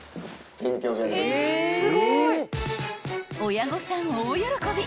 ［親御さん大喜び］